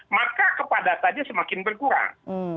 maka kepadatannya semakin berkurang